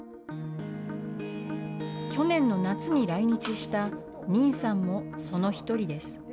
去年の夏に来日した、ニンさんもその１人です。